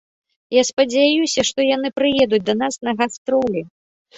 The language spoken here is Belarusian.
Я спадзяюся, што яны прыедуць да нас на гастролі.